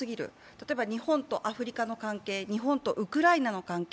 例えば日本とアメリカの関係、日本とウクライナの関係